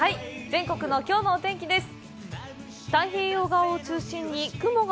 全国のきょうのお天気です。